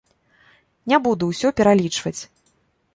Не буду ўсё пералічваць.